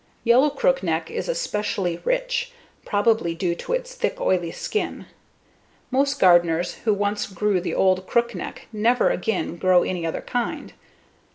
Yellow Crookneck is especially rich, probably due to its thick, oily skin; most gardeners who once grow the old Crookneck never again grow any other kind.